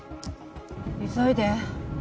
急いで。